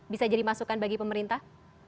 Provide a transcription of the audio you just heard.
bisa jadi masukan bagi pemerintah